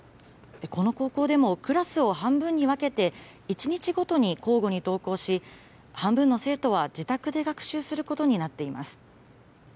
この高校でもクラスを半分に分けて、１日ごとに交互に登校し、半分の生徒は自宅で学習することになっています。